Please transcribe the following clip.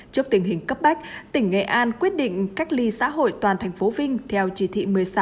trước tình hình cấp bách tỉnh nghệ an quyết định cách ly xã hội toàn thành phố vinh theo chỉ thị một mươi sáu